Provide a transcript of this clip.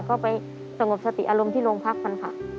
ก็ไปสงบสติอารมณ์ที่โรงพักกันค่ะ